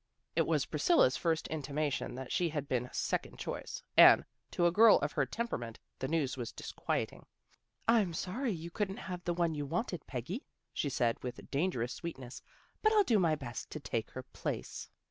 It was Priscilla's first intimation that she had been second choice, and, to a girl of her tem perament, the news was disquieting. "I'm. sorry you couldn't have the one you wanted, Peggy," she said, with dangerous sweetness. " But I'll do my best to take her place."